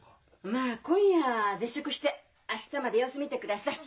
まあ今夜は絶食して明日まで様子見てください。